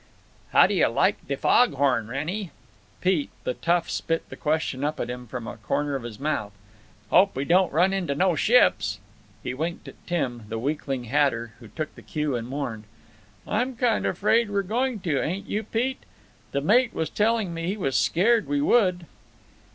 "How do yuh like de fog horn, Wrennie?" Pete, the tough, spit the question up at him from a corner of his mouth. "Hope we don't run into no ships." He winked at Tim, the weakling hatter, who took the cue and mourned: "I'm kinda afraid we're going to, ain't you, Pete? The mate was telling me he was scared we would."